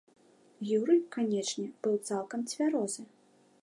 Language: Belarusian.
Юрый, канечне, быў цалкам цвярозы.